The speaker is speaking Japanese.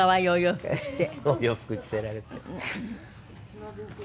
お洋服着せられて。